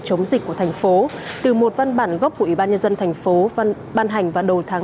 chống dịch của thành phố từ một văn bản gốc của ủy ban nhân dân thành phố ban hành vào đầu tháng